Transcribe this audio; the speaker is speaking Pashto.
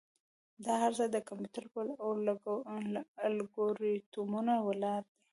دا هر څه د کمپیوټر پر الگوریتمونو ولاړ دي.